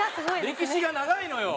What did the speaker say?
歴史が長いのよ。